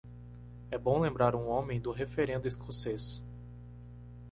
É bom lembrar um homem do referendo escocês.